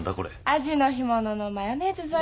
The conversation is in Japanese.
アジの干物のマヨネーズ添えです。